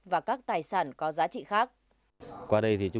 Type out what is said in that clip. và các tài sản có giá trị khác